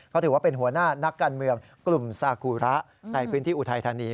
เขาถือว่าเป็นหัวหน้านักการเมืองกลุ่มสากุระในพื้นที่อุทัยธานี